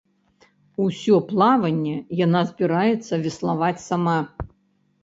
Усё плаванне яна збіраецца веславаць сама.